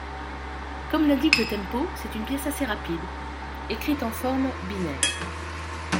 Comme l'indique le tempo, c'est une pièce assez rapide, écrite en forme binaire.